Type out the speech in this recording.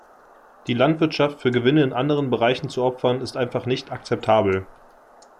Die Landwirtschaft für Gewinne in anderen Bereichen zu opfern, ist einfach nicht akzeptabel.